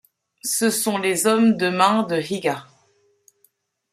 Ce sont les hommes de main de Higa.